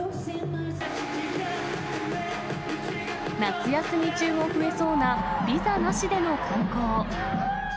夏休み中も増えそうなビザなしでの観光。